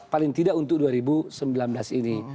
paling tidak untuk dua ribu sembilan belas ini